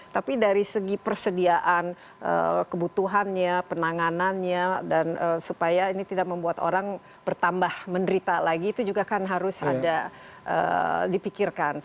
tapi dari segi persediaan kebutuhannya penanganannya dan supaya ini tidak membuat orang bertambah menderita lagi itu juga kan harus ada dipikirkan